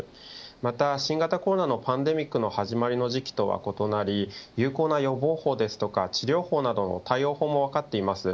また、新型コロナのパンデミックの始まりの時期とは異なり有効な予防法ですとか治療法などの対応法も分かっています。